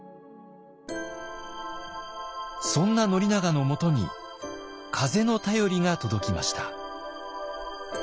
そんな宣長のもとに風の便りが届きました。